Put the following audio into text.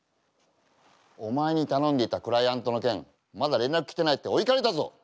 お前に頼んでいたクライアントの件まだ連絡来てないってお怒りだぞ。